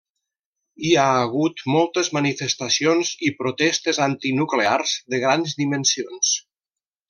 Hi ha hagut moltes manifestacions i protestes antinuclears de grans dimensions.